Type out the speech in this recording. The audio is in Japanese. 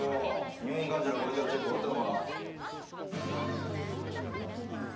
入院患者のバイタルチェック終わったのか？